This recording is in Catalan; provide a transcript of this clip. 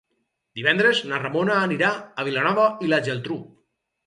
Divendres na Ramona anirà a Vilanova i la Geltrú.